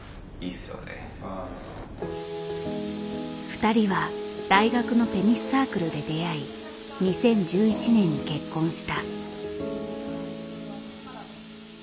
２人は大学のテニスサークルで出会い２０１１年に結婚した。